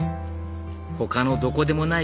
ほかのどこでもない